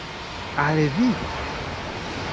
Al vi?